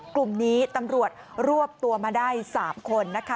กลุ่มนี้ตำรวจรวบตัวมาได้๓คนนะคะ